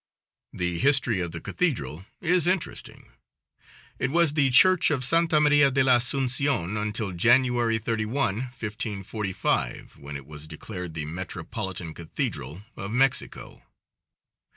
The history of the cathedral is interesting; it was the church of Santa Maria de la Asuncion until January 31, 1545, when it was declared the metropolitan cathedral of Mexico.